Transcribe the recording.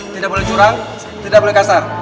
tidak boleh curang tidak boleh kasar